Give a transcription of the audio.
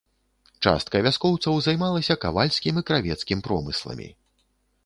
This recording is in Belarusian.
Частка вяскоўцаў займалася кавальскім і кравецкім промысламі.